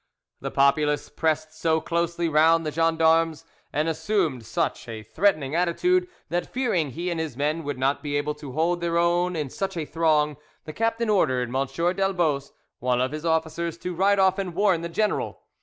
The populace pressed so closely round the gens d'armes, and assumed such a threatening attitude, that fearing he and his men would not be able to hold their own in such a throng, the captain ordered M. Delbose, one of his officers, to ride off and warn the general.